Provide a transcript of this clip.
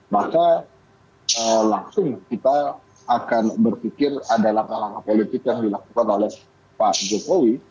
maka langsung kita akan berpikir ada langkah langkah politik yang dilakukan oleh pak jokowi